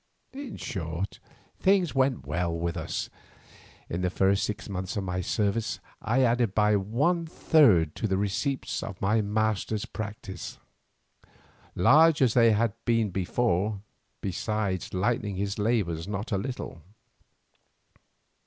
In short, things went so well with us that in the first six months of my service I added by one third to the receipts of my master's practice, large as they had been before, besides lightening his labours not a little.